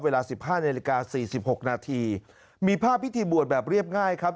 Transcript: เวลา๑๕นาฬิกา๔๖นาทีมีภาพพิธีบวชแบบเรียบง่ายครับ